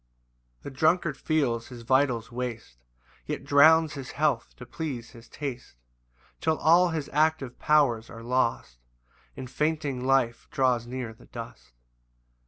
2 The drunkard feels his vitals waste, Yet drowns his health to please his taste; Till all his active powers are lost, And fainting life draws near the dust.